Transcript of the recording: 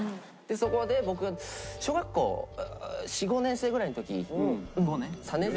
そこで僕が小学校４５年生ぐらいの時３年生？